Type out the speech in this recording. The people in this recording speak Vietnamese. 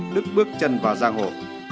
đức bước chân vào giang hồ